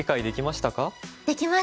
できました。